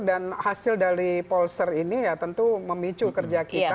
dan hasil dari polster ini ya tentu memicu kerja kita